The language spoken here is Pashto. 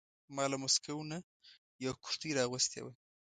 ما له مسکو نه یوه کرتۍ را اغوستې وه.